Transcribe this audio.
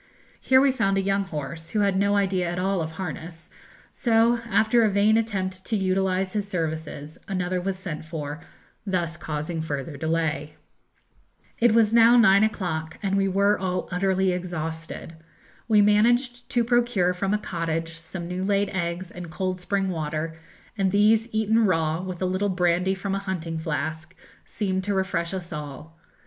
Here we found a young horse, who had no idea at all of harness; so after a vain attempt to utilise his services, another was sent for, thus causing further delay. It was now nine o'clock, and we were all utterly exhausted. We managed to procure from a cottage some new laid eggs and cold spring water, and these eaten raw, with a little brandy from a hunting flask, seemed to refresh us all.